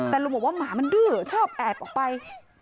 แต่ลุงบอกว่าหมามันดื้อชอบแอบออกไป